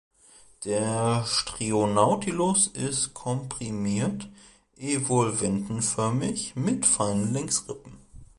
Der „Strionautilus" ist komprimiert, evolventenförmig, mit feinen Längsrippen.